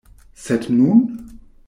Sed nun?